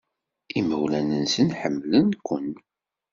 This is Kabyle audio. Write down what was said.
Imawlan-nsen ḥemmlen-ken.